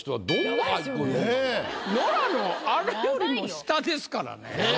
ノラのあれよりも下ですからね。